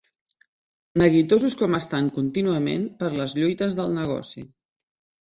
Neguitosos com estan contínuament per les lluites del negoci.